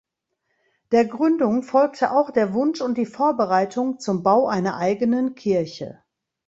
Der Gründung folgte auch der Wunsch und die Vorbereitung zum Bau einer eigenen Kirche.